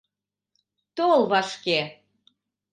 Тол вашке!